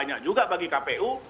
banyak juga bagi kpu